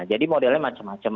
jadi modelnya macam macam